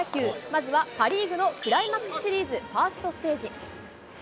まずはパ・リーグのクライマックスシリーズファーストステージ。